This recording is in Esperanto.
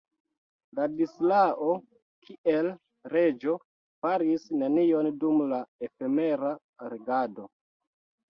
Ladislao, kiel reĝo, faris nenion dum la efemera regado.